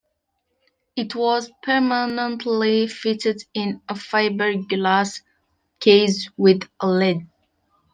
It was permanently fitted in a fibre-glass case with a lid.